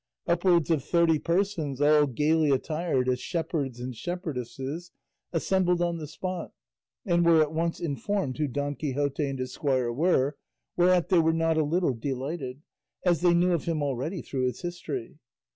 Upwards of thirty persons, all gaily attired as shepherds and shepherdesses, assembled on the spot, and were at once informed who Don Quixote and his squire were, whereat they were not a little delighted, as they knew of him already through his history.